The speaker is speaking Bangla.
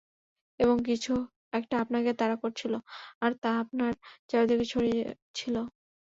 এবং কিছু একটা আপনাকে তাড়া করছিল আর তা আপনার চারদিকে ছড়িয়ে ছিল।